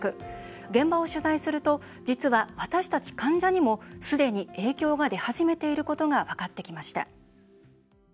現場を取材すると実は、私たち患者にもすでに影響が出始めていることが分かってきました。